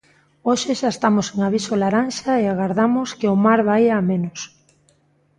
Hoxe xa estamos en aviso laranxa e agardamos que o mar vaia a menos.